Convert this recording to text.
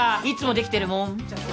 いつもできてるもん。